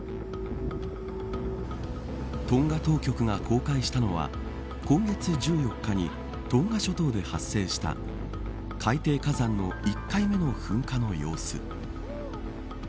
トンガ当局が公開したのは今月１４日にトンガ諸島で発生した海底火山の１回目の噴火の様子。